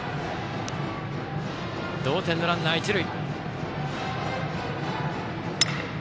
同点のランナー、一塁。